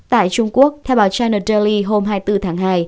tại trung quốc theo báo china delhi hôm hai mươi bốn tháng hai